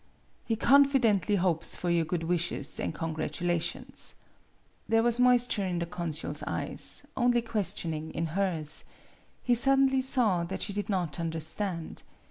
He confidently hopes for your good wishes and congratu lations." There was moisture in the consul's eyes, only questioning in hers. He suddenly saw that she did not understand.